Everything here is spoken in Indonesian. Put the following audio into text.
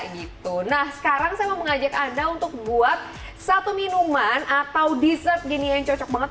gitu nah sekarang saya mau mengajak anda untuk buat satu minuman atau dessert gini yang cocok banget